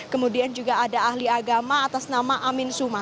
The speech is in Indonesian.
kemudian juga ada ahli agama atas nama amin suma